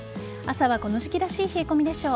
朝はこの時期らしい冷え込みでしょう。